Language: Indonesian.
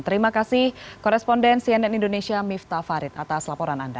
terima kasih koresponden cnn indonesia miftah farid atas laporan anda